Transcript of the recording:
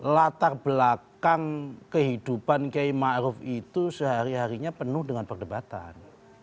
latar belakang kehidupan kiai ⁇ maruf ⁇ itu sehari harinya penuh dengan perdebatan